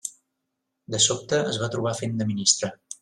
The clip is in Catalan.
De sobte es va trobar fent de ministre.